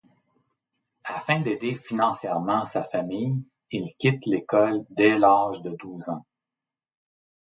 Afin d'aider financièrement sa famille, il quitte l'école dès l'âge de douze ans.